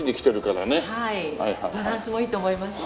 バランスもいいと思います。